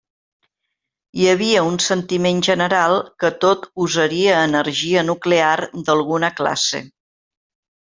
Hi havia un sentiment general que tot usaria energia nuclear d'alguna classe.